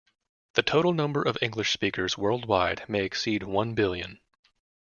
The total number of English speakers worldwide may exceed one billion.